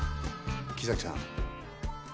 木崎さん。